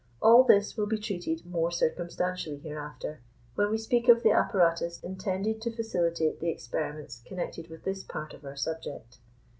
All this will be treated more circumstantially hereafter, when we speak of the apparatus intended to facilitate the experiments connected with this part of our subject.